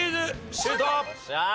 シュート！